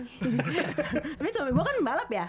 tapi suami gue kan pembalap ya